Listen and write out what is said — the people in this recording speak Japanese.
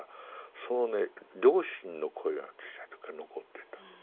そのね両親の声が小さい時から残ってた。